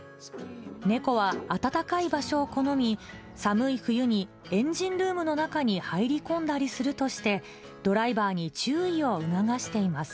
猫は暖かい場所を好み、寒い冬にエンジンルームの中に入り込んだりするとして、ドライバーに注意を促しています。